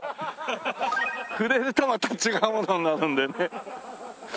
触れるとまた違うものになるんでね。